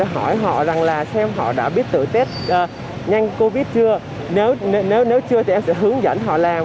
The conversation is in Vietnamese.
hỏi họ rằng là xem họ đã biết từ tết nhanh covid chưa nếu chưa thì em sẽ hướng dẫn họ làm